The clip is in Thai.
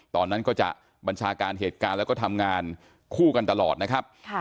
ตอนนั้นก็จะบัญชาการเหตุการณ์แล้วก็ทำงานคู่กันตลอดนะครับ